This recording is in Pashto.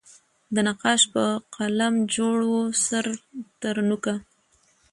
د نقاش په قلم جوړ وو سر ترنوکه